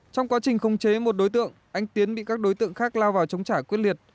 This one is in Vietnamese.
trong quá trình khống chế một đối tượng anh tiến bị các đối tượng khác lao vào chống trả quyết liệt